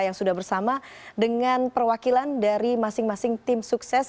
yang sudah bersama dengan perwakilan dari masing masing tim sukses